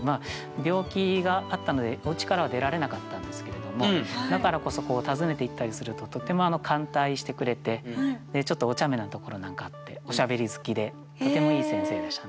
病気があったのでおうちからは出られなかったんですけれどもだからこそ訪ねていったりするととっても歓待してくれてちょっとおちゃめなところなんかあっておしゃべり好きでとてもいい先生でしたね。